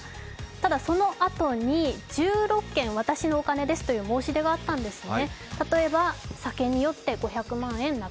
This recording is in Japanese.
ただ、そのあとに１６件、私のお金ですという申し出があったんですね。